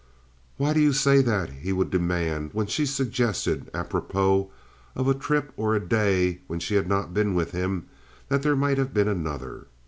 "Why do you say that?" he would demand, when she suggested, apropos of a trip or a day when she had not been with him, that there might have been another.